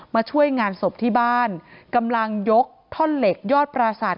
มาช่วยงานศพที่บ้านกำลังยกท่อนเหล็กยอดปราศาสต